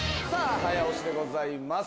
早押しでございます。